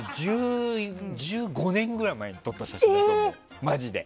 １５年ぐらい前に撮った写真マジで。